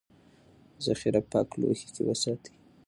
ذخیره پاک لوښي کې وساتئ.